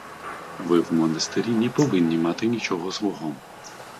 Ви в монастирі не повинні мать нічого свого.